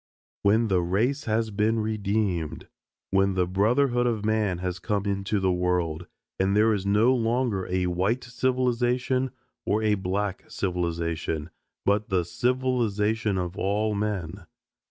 "When the race has been redeemed. When the brotherhood of man has come into the world; and there is no longer a white civilization or a black civilization, but the civilization of all men.